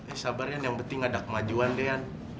eh sabar yang penting ada kemajuan deh an